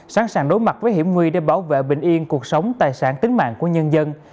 sẵn sàng đối mặt với hiểm nguy để bảo vệ bình yên cuộc sống tài sản tính mạng của nhân dân